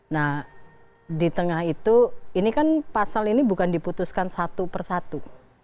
nah di tengah itu ini kan pasal ini bukan diputuskan satu persatu